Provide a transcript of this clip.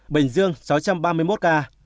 bình dương sáu trăm ba mươi một ca